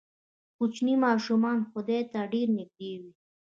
کوچني ماشومان خدای ته ډېر نږدې وي.